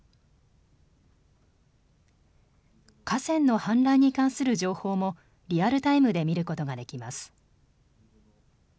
河川の氾濫に関する情報もリアルタイムで見ることができます。